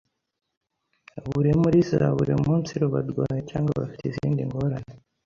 bari mu zabuumunsiru, barwaye cyangwa bafi te izindi ngorane